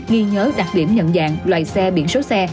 ghi nhớ đặc điểm nhận dạng loại xe biển số xe